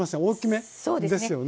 大きめですよね。